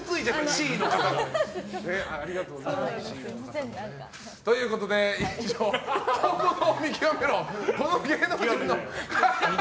Ｃの方が。ということで以上本物を見極めろ。